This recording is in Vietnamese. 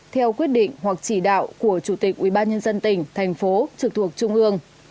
theo quyết định hoặc chỉ đạo của chủ tịch ubnd tỉnh thành phố trực thuộc trung ương